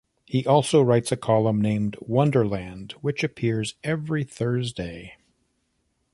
He also writes a column named "Wonder Land" which appears every Thursday.